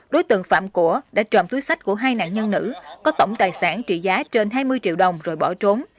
đối tượng phạm của đã tròm túi sách của hai nạn nhân nữ có tổng tài sản trị giá trên hai mươi triệu đồng rồi bỏ trốn